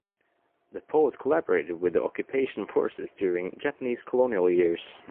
The poet collaborated with the occupation forces during Japanese colonial years.